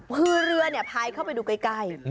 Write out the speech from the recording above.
พื้นเรือเนี่ยพายเข้าไปดูใกล้ใกล้